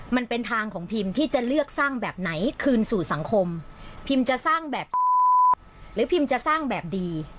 มันเป็นทางของพิมที่จะเลือกสร้างแบบไหนคืนสู่สังคมพิมจะสร้างแบบหรือพิมจะสร้างแบบดี